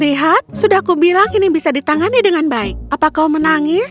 lihat sudah aku bilang ini bisa ditangani dengan baik apa kau menangis